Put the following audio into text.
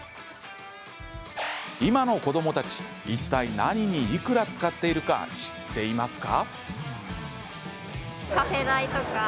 今の子どもたち、いったい何にいくら使ってるか知ってますか？